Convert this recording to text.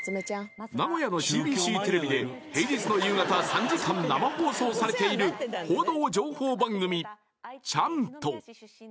名古屋のＣＢＣテレビで平日の夕方３時間生放送されている報道情報番組「チャント！」